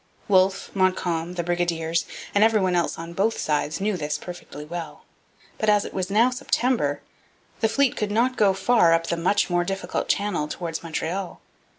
Wolfe, Montcalm, the brigadiers, and every one else on both sides knew this perfectly well. But, as it was now September, the fleet could not go far up the much more difficult channel towards Montreal.